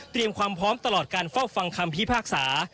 ความพร้อมตลอดการเฝ้าฟังคำพิพากษา